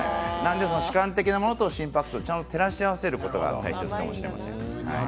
主観的なものと心拍数を照らし合わせることが大事です。